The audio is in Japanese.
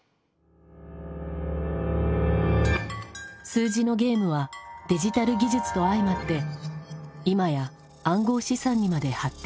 数字のゲームはデジタル技術と相まって今や暗号資産にまで発展。